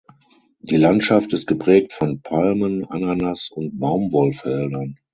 Die Landschaft ist geprägt von Palmen, Ananas- und Baumwollfeldern.